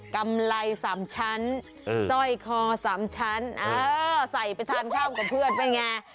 กำไร๓ชั้นสร้อยคอ๓ชั้นใส่ไปทานข้าวกับเพื่อนเป็นไง